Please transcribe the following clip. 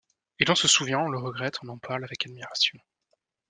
Et l’on se souvient, on le regrette, on en parle avec admiration.